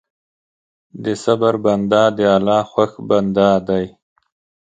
د صبر بنده د الله خوښ بنده دی.